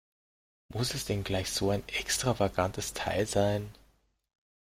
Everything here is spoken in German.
Muss es denn gleich so ein extravagantes Teil sein?